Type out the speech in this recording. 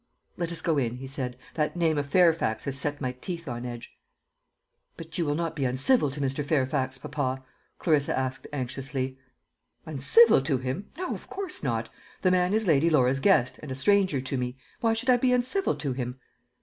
"Let us go in," he said. "That name of Fairfax has set my teeth on edge." "But you will not be uncivil to Mr. Fairfax, papa?" Clarissa asked anxiously. "Uncivil to him! No, of course not. The man is Lady Laura's guest, and a stranger to me; why should I be uncivil to him?"